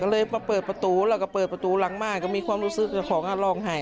มารอดใบบ้านเลยก็เปิดประตูหลังบ้างก็มีความรู้สึกว่าของรองหาย